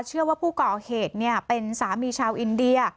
เชื่อว่าผู้ก่อเหตุเป็นสามีชาวอินเดีย